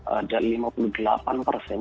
ada lima puluh delapan persen